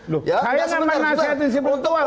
loh saya yang menasihati spiritual